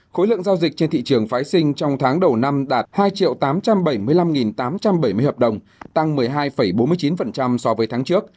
khối lượng giao dịch trên thị trường phái sinh trong tháng đầu năm đạt hai tám trăm bảy mươi năm tám trăm bảy mươi hợp đồng tăng một mươi hai bốn mươi chín so với tháng trước